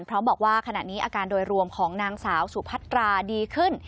พร้อมบอกว่าขณะนี้อาการโดยรวมของนางสาวสุพัตราดีขึ้น